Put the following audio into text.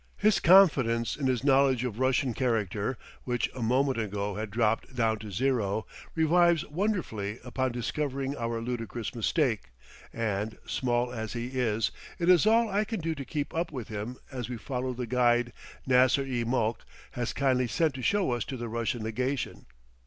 His confidence in his knowledge of Russian character, which a moment ago had dropped down to zero, revives wonderfully upon discovering our ludicrous mistake, and, small as he is, it is all I can do to keep up with him as we follow the guide Nasr i Mulk has kindly sent to show us to the Russian Legation.